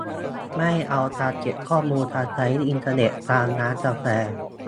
ไม่เอาการเก็บข้อมูลการใช้อินเทอร์เน็ตตามร้านกาแฟ